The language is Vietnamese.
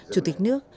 chủ tịch nước